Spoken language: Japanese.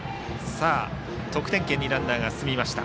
得点圏にランナーが進みました。